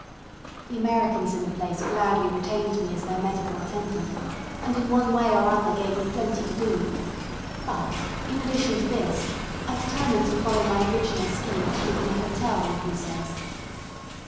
The Americans in the place gladly retained me as their medical attendant, and in one way or other gave me plenty to do; but, in addition to this, I determined to follow my original scheme of keeping an hotel in Cruces.